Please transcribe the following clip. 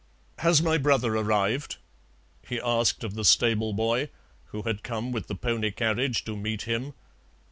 "Has my brother arrived?" he asked of the stable boy, who had come with the pony carriage to meet him.